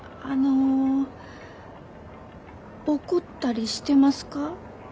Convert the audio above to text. あの怒ったりしてますか？